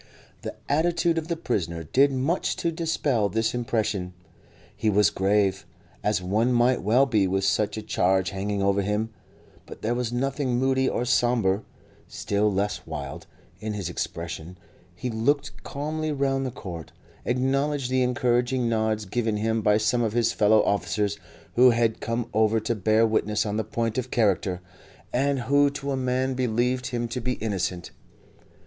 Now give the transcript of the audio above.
The attitude of the prisoner did much to dispel this impression; he was grave, as one might well be with such a charge hanging over him, but there was nothing moody or sombre, still less wild, in his expression; he looked calmly round the court, acknowledged the encouraging nods given him by some of his fellow officers, who had come over to bear witness on the point of character, and who to a man believed him to be innocent.